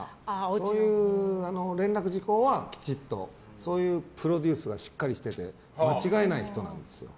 そういう連絡事項はきちっとそういうプロデュースはしっかりしてて間違えない人なんですよ。